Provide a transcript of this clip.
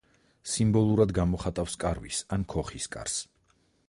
სიმბოლურად გამოხატავს კარვის ან ქოხის კარს.